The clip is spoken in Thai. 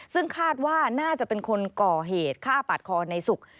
ซึ่งคาดว่าน่าจะเป็นคนก่อเหตุฆ่าปาดคอในศุกร์